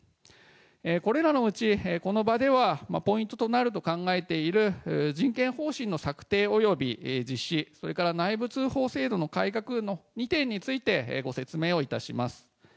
これらのうち、この場ではポイントとなると考えている人権方針の策定、および実施、それから内部通報制度の改革の２点についてご説明をいたします。